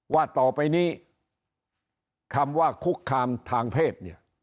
ว่าต่อไปนี้คำว่าคุกคามทางเพศเนี่ย